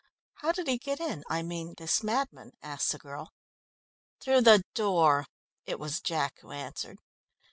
"How did he get in I mean this madman?" asked the girl. "Through the door." It was Jack who answered.